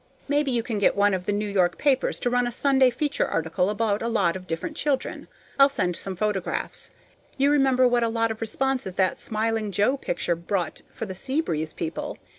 Maybe you can get one of the New York papers to run a Sunday feature article about a lot of different children. I'll send some photographs. You remember what a lot of responses that "Smiling Joe" picture brought for the Sea Breeze people?